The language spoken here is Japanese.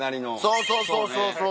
そうそうそうそう。